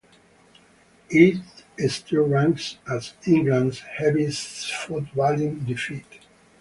It still ranks as England's heaviest footballing defeat.